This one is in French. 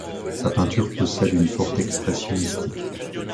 Sa peinture possède une forte expression mystique.